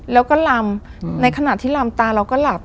แล้วก็ลำในขณะที่ลำตาเราก็หลับ